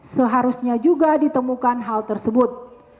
seharusnya juga ditemukan hal tersebut